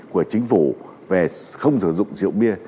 của chính phủ về không sử dụng rượu bia